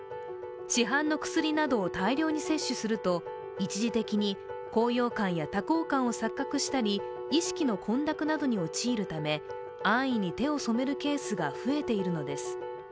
市販の薬などを大量に摂取すると、一時的に高揚感や多幸感を錯覚したり意識の混濁などに陥るため安易に手を染めるケースが増えているのです。